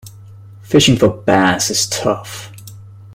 Fishing for bass is tough.